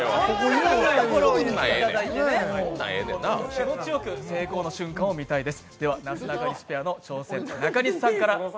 気持ちよく成功の瞬間を見たいです。